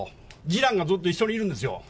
次男がずっと一緒にいるんですよ。